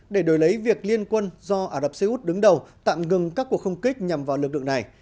để đổi lấy việc liên quân do ả rập xê út đứng đầu tạm ngừng các cuộc không kích nhằm vào lực lượng này